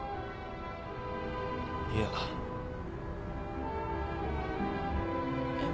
いや。えっ？